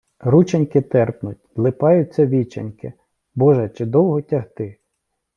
Рученьки терпнуть, злипаються віченькі, Боже, чи довго тягти?